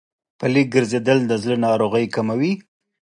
پلي ګرځېدل د زړه ناروغۍ کموي.